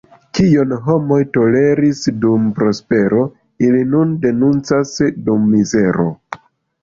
Kion homoj toleris dum prospero, ili nun denuncas dum mizero.